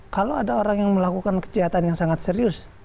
kalau ada orang yang melakukan kejahatan yang sangat serius